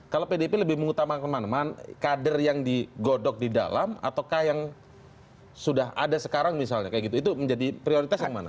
kalau pdip lebih mengutamakan kader yang digodok di dalam atau yang sudah ada sekarang itu menjadi prioritas yang mana